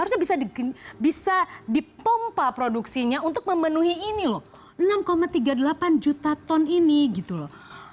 harusnya bisa dipompa produksinya untuk memenuhi ini loh enam tiga puluh delapan juta ton ini gitu loh